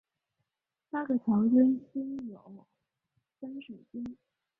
八个桥墩均有分水尖。